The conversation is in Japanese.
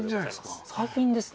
最近ですね。